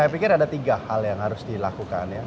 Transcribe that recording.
saya pikir ada tiga hal yang harus dilakukan ya